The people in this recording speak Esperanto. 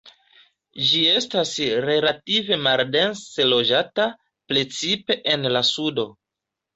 Ĝi estas relative maldense loĝata, precipe en la sudo.